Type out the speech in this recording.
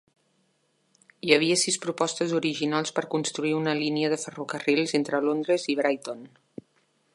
Hi havia sis propostes originals per construir una línia de ferrocarril entre Londres i Brighton.